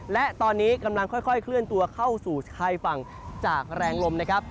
และตอนนี้กำลังค่อยเคลื่อนตัวเข้าสู่ชายฝั่งจากแรงลมนะครับ